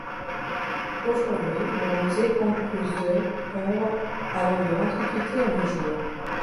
Aujourd'hui, le musée compte plus de œuvres allant de l'Antiquité à nos jours.